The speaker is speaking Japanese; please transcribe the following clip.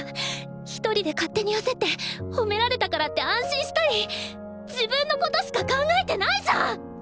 ひとりで勝手に焦って褒められたからって安心したり自分のことしか考えてないじゃん！